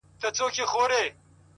په تهمتونو کي بلا غمونو،